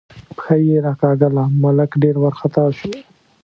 پښه یې راکاږله، ملک ډېر وارخطا شو.